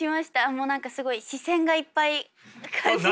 もう何かすごい視線がいっぱいな感じで。